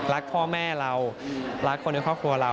รักพ่อแม่เรารักคนในครอบครัวเรา